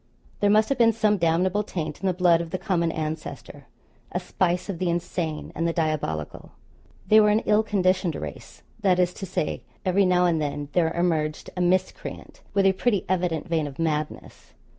There must have been some damnable taint in the blood of the common ancestor a spice of the insane and the diabolical. They were an ill conditioned race that is to say, every now and then there emerged a miscreant, with a pretty evident vein of madness.